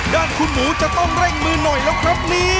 ด้านคุณหมูจะต้องเร่งมือหน่อยแล้วครับนี้